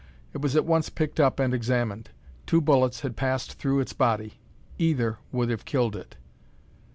It was at once picked up and examined. Two bullets had passed through its body. Either would have killed it.